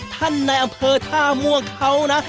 ในอำเภอท่าม่วงเขานะ